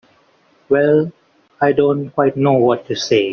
Well—I don't quite know what to say.